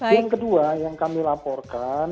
yang kedua yang kami laporkan